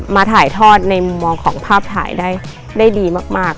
ถ่ายทอดในมุมมองของภาพถ่ายได้ดีมาก